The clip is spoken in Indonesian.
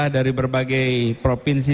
dari berbagai provinsi